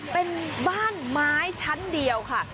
เป็นบ้านไม้ชั้นเดียวค่ะ